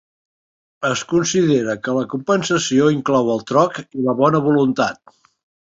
Es considera que la compensació inclou el troc i la bona voluntat.